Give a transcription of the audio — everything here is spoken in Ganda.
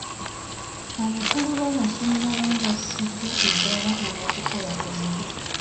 Abakulu b'amasomero abamu bassiddwa eddaala olw'okukola obubi.